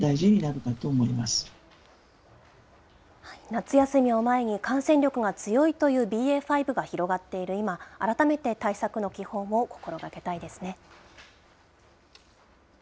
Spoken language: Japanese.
夏休みを前に、感染力が強いというＢＡ．５が広がっている今、改めて対策の基本を心がけたいですね。